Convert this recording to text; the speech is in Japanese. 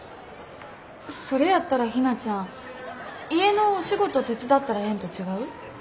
それやったらひなちゃん家のお仕事手伝ったらええんと違う？